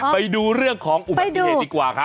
ไปดูเรื่องของอุบัติเหตุดีกว่าครับ